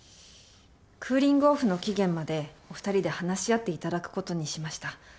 クーリングオフの期限までお２人で話し合っていただくことにしました。